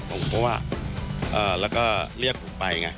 ผมก็ว่าแล้วก็เรียกผมไปไง